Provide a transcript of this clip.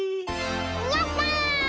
やった！